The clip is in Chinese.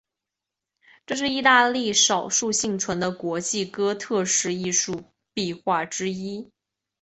这是意大利少数幸存的国际哥特式艺术壁画之一。